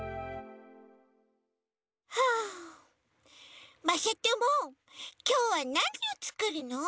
はあまさともきょうはなにをつくるの？